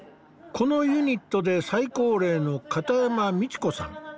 このユニットで最高齢の片山道子さん。